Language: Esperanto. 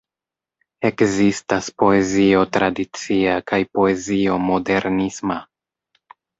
Ekzistas poezio tradicia kaj poezio modernisma.